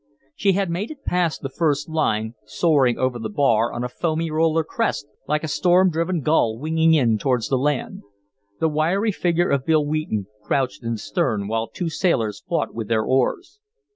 She had made it past the first line, soaring over the bar on a foamy roller crest like a storm driven gull winging in towards the land. The wiry figure of Bill Wheaton crouched in the stern while two sailors fought with their oars.